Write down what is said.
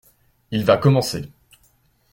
Il va commencer.